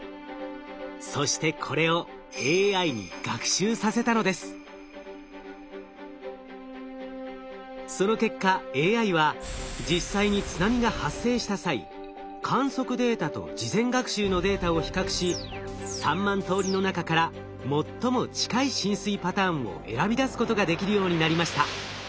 そしてこれをその結果ＡＩは実際に津波が発生した際観測データと事前学習のデータを比較し３万通りの中から最も近い浸水パターンを選び出すことができるようになりました。